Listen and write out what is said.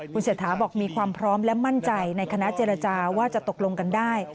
คุณเศรษฐาบอกมีความพร้อมและมั่นใจในคณะเจรจาว่าจะตกลงกันได้